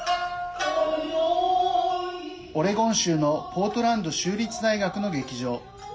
オレゴン州のポートランド州立大学の劇場。